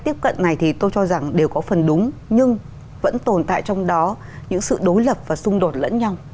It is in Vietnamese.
tiếp cận này thì tôi cho rằng đều có phần đúng nhưng vẫn tồn tại trong đó những sự đối lập và xung đột lẫn nhau